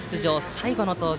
最後の登場